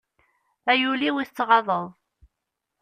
A yul-iw i tettɣaḍeḍ!